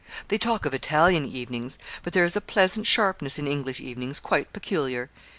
They talk of Italian evenings; but there is a pleasant sharpness in English evenings quite peculiar.